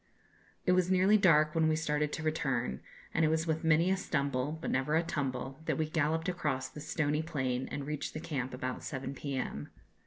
"It was nearly dark when we started to return; and it was with many a stumble, but never a tumble, that we galloped across the stony plain, and reached the camp about seven p.m.